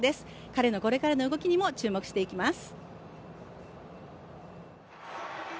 彼のこれからの動きにも注目していきます。